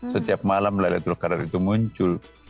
setiap malam laylatul qadar itu muncul